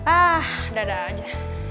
ah dadah aja